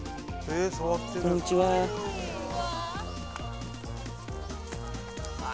こんにちは